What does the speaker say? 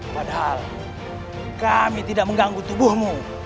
padahal kami tidak mengganggu tubuhmu